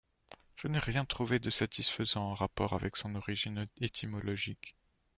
Je n'ai rien trouvé de satisfaisant en rapport avec son origine étymologique.